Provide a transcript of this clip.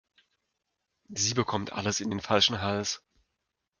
Sie bekommt alles in den falschen Hals.